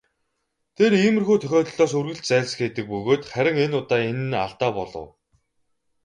Тэр иймэрхүү тохиолдлоос үргэлж зайлсхийдэг бөгөөд харин энэ удаа энэ нь алдаа болов.